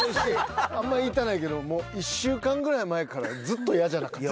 あんま言いたないけど１週間ぐらい前からずっと嫌じゃなかった？